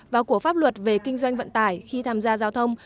và của pháp luật về kinh doanh vận tải khi tham gia giao thông